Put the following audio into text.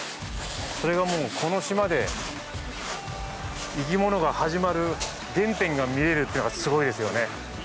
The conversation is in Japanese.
それがもう、この島で生き物が始まる原点が見えるというのがすごいですよね。